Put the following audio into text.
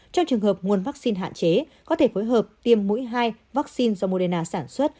trong trường hợp nguồn vaccine hạn chế có thể phối hợp tiêm mũi hai vaccine do moderna sản xuất